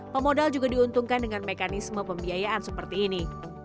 pemodal juga diuntungkan dengan mekanisme pembiayaan seperti ini